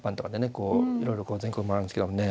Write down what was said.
こういろいろ全国を回るんですけどもね。